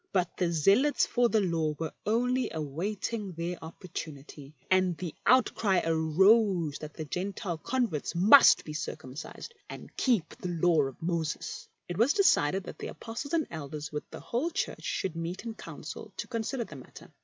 But the zealots for the Law were only awaiting their opportunity, and the outcry arose that the Gentile converts must be circumcised and keep the Law of Moses. It was decided that the Apostles and Elders with the whole Church should meet in council to consider the matter.